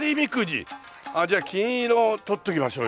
あっじゃあ金色取っときましょうよ。